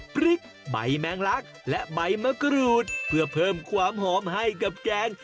พริกใบแมงลักและใบมะกรูดเพื่อเพิ่มความหอมให้กับแกง